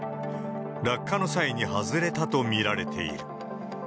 落下の際に外れたと見られている。